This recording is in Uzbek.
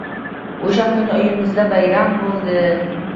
o‘sha kuni uyimizda bayram bo‘ldi.